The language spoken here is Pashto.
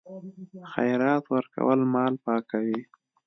خیرات ورکول مال پاکوي.